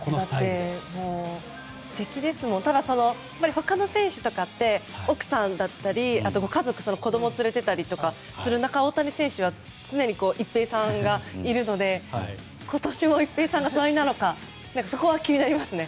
他の選手とかって奥さんだったり家族、子供を連れていたりする中大谷選手は常に一平さんがいるので今年も一平さんが隣なのかそこが気になりますね。